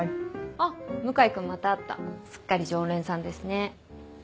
あっ向井君また会ったすっかり常連さんですね。